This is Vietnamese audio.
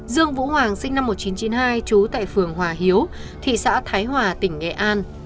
dương vũ hoàng sinh năm một nghìn chín trăm chín mươi hai trú tại phường hòa hiếu thị xã thái hòa tỉnh nghệ an